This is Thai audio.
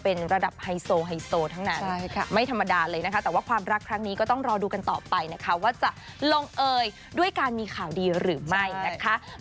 ของรักครั้งนี้ก็ต้องรอดูกันต่อไปนะคะว่าจะลงเอยด้วยการมีข่าวดีหรือไม่นะคะ